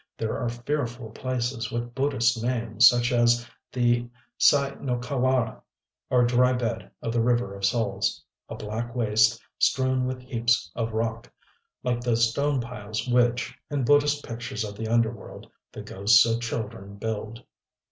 There are fearful places with Buddhist names, such as the Sai no Kawara, or Dry Bed of the River of Souls, a black waste strewn with heaps of rock, like those stone piles which, in Buddhist pictures of the underworld, the ghosts of children build....